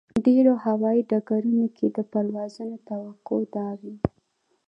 ډېرو هوایي ډګرونو کې د پروازونو توقع دا وي.